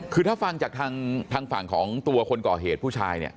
คือถ้าฟังจากทางฝั่งของตัวคนก่อเหตุผู้ชายเนี่ย